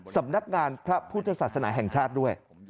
สำนักงานพระพุทธศาสนาแห่งชาติด้วย